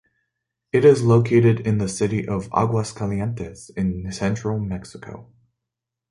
It is located in the city of Aguascalientes, in central Mexico.